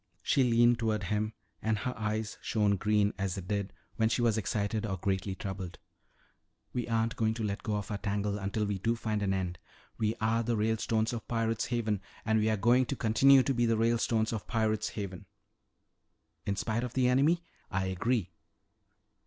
She leaned toward him and her eyes shone green as they did when she was excited or greatly troubled. "We aren't going to let go of our tangle until we do find an end. We are the Ralestones of Pirate's Haven and we are going to continue to be the Ralestones of Pirate's Haven." "In spite of the enemy? I agree."